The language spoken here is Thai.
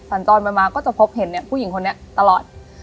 สัญจรไปมาก็จะพบเห็นผู้หญิงคนนี้ตลอด